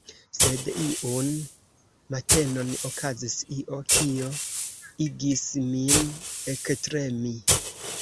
Sed iun matenon okazis io, kio igis min ektremi.